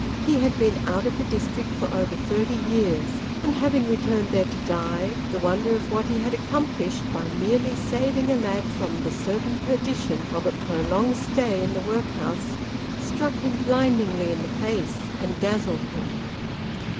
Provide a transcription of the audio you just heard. He had been out of the district for over thirty years, and, having returned there to die, the wonder of what he had accomplished by merely saving a lad from the certain perdition of a prolonged stay in the workhouse, struck him blindingly in the face and dazzled him.